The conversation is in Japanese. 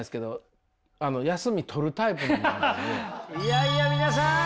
いやいや皆さん！